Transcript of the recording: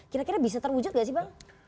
kira kira bisa terwujud nggak sih bang